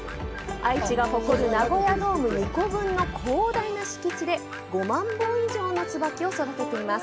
愛知が誇るナゴヤドーム２個分の広大な敷地で５万本以上の椿を育てています。